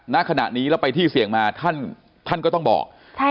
ณขณะนี้แล้วไปที่เสี่ยงมาท่านก็ต้องบอก